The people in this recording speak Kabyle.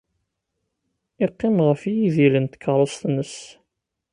Yeqqim ɣef yidil n tkeṛṛust-nnes.